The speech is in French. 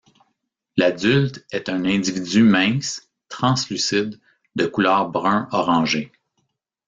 L'adulte est un individu mince, translucide, de couleur brun-orangé.